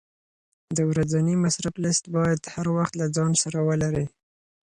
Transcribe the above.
د ورځني مصرف لیست باید هر وخت له ځان سره ولرې.